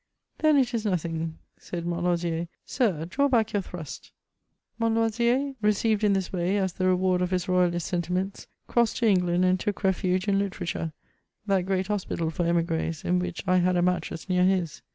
*' Then it is nothingy" said Montlosier, ^' sir, draw back your thrust," Montlosier, received in this way as the reward of his royalist sentiments, crossed to England, and took refuge in literature^ that great hospital for emigres, in which I had a mattress near his.